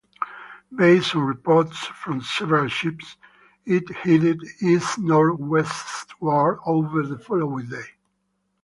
Based on reports from several ships, it headed east-northeastward over the following day.